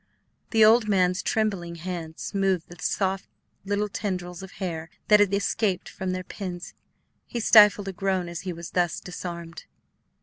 The old man's trembling hand smoothed the soft little tendrils of hair that had escaped from their pins. He stifled a groan as he was thus disarmed.